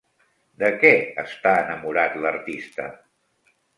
De què està enamorat l'artista?